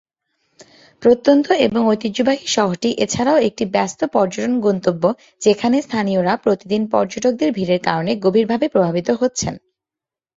প্রত্যন্ত এবং ঐতিহ্যবাহী শহরটি এছাড়াও একটি ব্যস্ত পর্যটন গন্তব্য যেখানে স্থানীয়রা প্রতিদিন পর্যটকদের ভিড়ের কারনে গভীরভাবে প্রভাবিত হচ্ছেন।